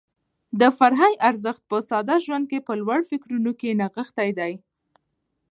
د فرهنګ ارزښت په ساده ژوند او په لوړو فکرونو کې نغښتی دی.